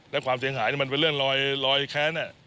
และความเสียหายมันเป็นเรื่องรอยแค้น